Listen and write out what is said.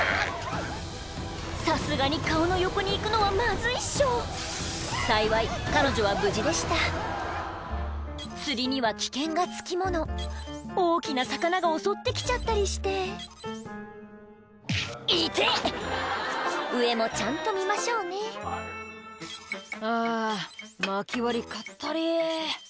さすがに顔の横に行くのはまずいっしょ幸い彼女は無事でした釣りには危険が付き物大きな魚が襲って来ちゃったりして「痛っ！」上もちゃんと見ましょうね「あぁまき割りかったりぃ」